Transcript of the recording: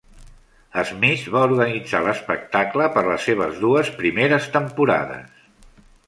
Smith va organitzar l'espectacle per les seves dues primeres temporades.